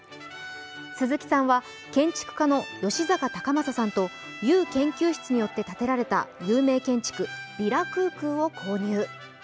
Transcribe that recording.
鈴木さんは建築家の吉阪隆正さんとＵ研究室によって建てられた有名建築、ヴィラ・クゥクゥを購入。